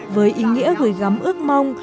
với ý nghĩa gửi gắm ước mong